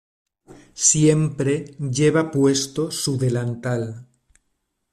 Siempre lleva puesto su delantal.